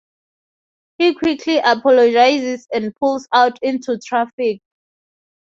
He quickly apologizes and pulls out into traffic.